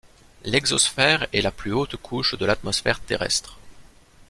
L'exosphère est la plus haute couche de l'atmosphère terrestre.